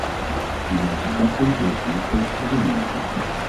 En juist op dat punt lopen we nog tegen problemen aan.